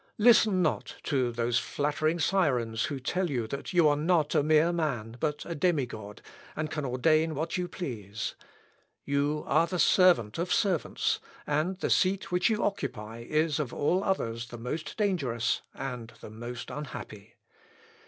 listen not to those flattering Sirens who tell you that you are not a mere man, but a demi god, and can ordain what you please. You are the servant of servants, and the seat which you occupy is of all others the most dangerous, and the most unhappy.